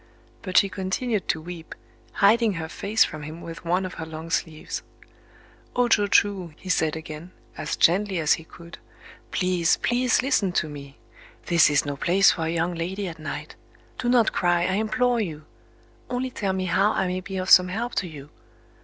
But she continued to weep,—hiding her face from him with one of her long sleeves. "O jochū," he said again, as gently as he could,—"please, please listen to me!... This is no place for a young lady at night! Do not cry, I implore you!—only tell me how I may be of some help to you!"